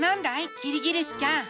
キリギリスちゃん。